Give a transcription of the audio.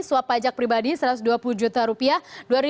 suap pajak pribadi satu ratus dua puluh juta rupiah